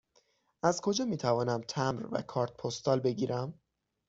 از کجا می توانم تمبر و کارت پستال بگیرم؟